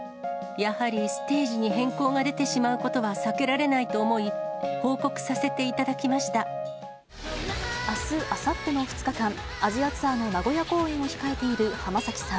やはりステージに変更が出てしまうことは避けられないと思い、あす、あさっての２日間、アジアツアーの名古屋公演を控えている浜崎さん。